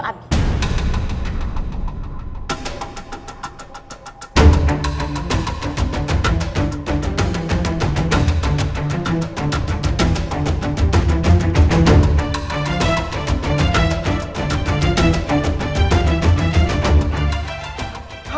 kamu bisa ikut sama mereka